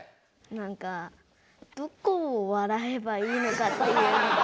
なんかどこを笑えばいいのかっていうのが。